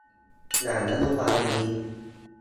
หลังนโยบายนี้